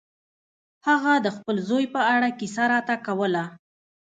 هغه د خپل زوی په اړه کیسه راته کوله.